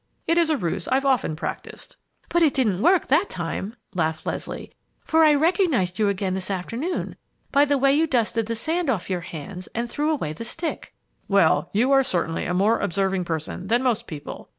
It is a ruse I've often practised." "But it didn't work that time," laughed Leslie, "for I recognized you again this afternoon by the way you dusted the sand off your hands and threw away the stick!" "Well, you are certainly a more observing person than most people!"